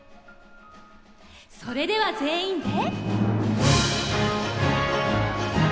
それでは全員で。